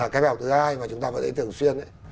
cái bài học thứ hai mà chúng ta vẫn thấy thường xuyên